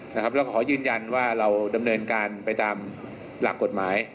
แล้วก็ขอยืนยันว่าเราดำเนินการไปตามหลักกฎหมาย